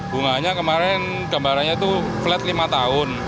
bunganya kemarin gambarannya itu flat lima tahun